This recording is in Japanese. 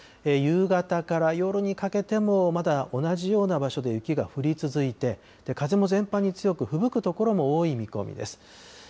夕方から夜にかけても、まだ同じような場所で雪が降り続いて、風も全般に強く、ふぶく所も多い見込みです。